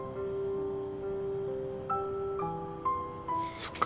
そっか。